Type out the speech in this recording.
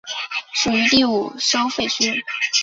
属于第五收费区。